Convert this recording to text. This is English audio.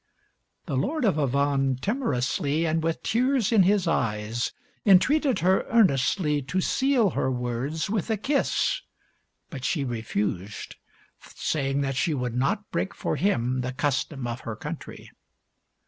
The Lord of Avannes timorously and with tears in his eyes entreated her earnestly to seal her words with a kiss, but she refused, saying that she would not break for him the custom of her country.